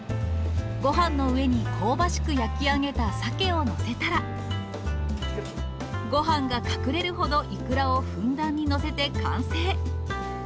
ごはんの上に香ばしく焼き上げたサケを載せたら、ごはんが隠れるほどイクラをふんだんに載せて完成。